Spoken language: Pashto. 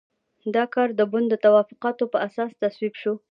دا کار د بن د توافقاتو په اساس تصویب شو.